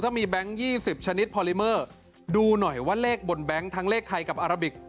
มีแบงค์๒๐ชนิดพอลิเมอร์ดูหน่อยว่าเลขบนแบงค์ทั้งเลขไทยกับอาราบิก